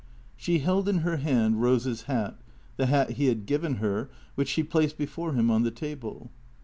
She held in her hand Rose's hat, the hat he had given her, which she placed before him on the table.